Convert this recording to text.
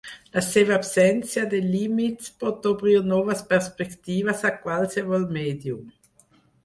La seva absència de límits pot obrir noves perspectives a qualsevol mèdium.